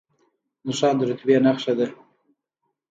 نښان د رتبې نښه ده